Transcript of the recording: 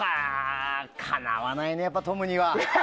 かなわないね、トムには。